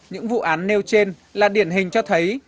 những vụ án nêu trên là điển hình cho thấy